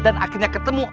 dan akhirnya ketemu